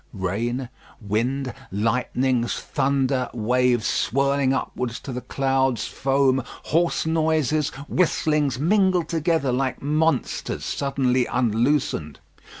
Rain, wind, lightnings, thunder, waves swirling upwards to the clouds, foam, hoarse noises, whistlings, mingled together like monsters suddenly unloosened.